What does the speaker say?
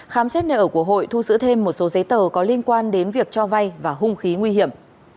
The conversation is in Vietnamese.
khám xét nợ của hội thu giữ thêm một số giấy tờ có liên quan đến việc cho vay và hung khí nguy hiểm